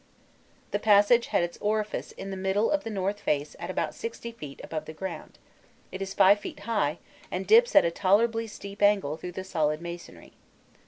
The passage had its orifice in the middle of the north face about sixty feèt above the ground: it is five feet high, and dips at a tolerably steep angle through the solid masonry.